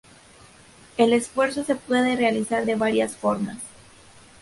El esfuerzo se puede realizar de varias formas.